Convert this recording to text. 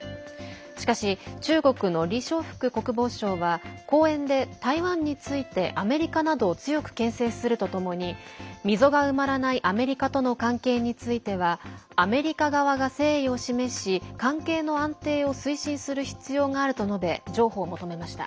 しかし、中国の李尚福国防相は講演で台湾についてアメリカなどを強くけん制するとともに溝が埋まらないアメリカとの関係についてはアメリカ側が誠意を示し関係の安定を推進する必要があると述べ譲歩を求めました。